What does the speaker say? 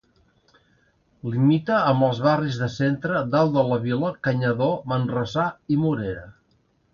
Limita amb els barris de Centre, Dalt de la Vila, Canyadó, Manresà i Morera.